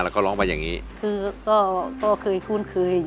อาจลงไปนะครับ